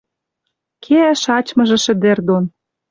Кеӓ шачмыжы шӹдӹр дон